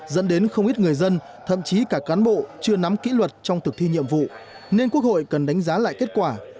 dẫn đến không ít người dân thậm chí cả cán bộ chưa nắm kỹ luật trong thực thi nhiệm vụ nên quốc hội cần đánh giá lại kết quả